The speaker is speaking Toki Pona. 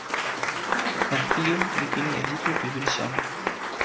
jan Piju li pini e lipu pi wile sona.